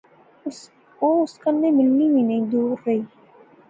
او اس کنے ملی وی نئیں، دور رہی